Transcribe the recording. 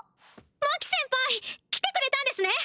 マキ先輩来てくれたんですね！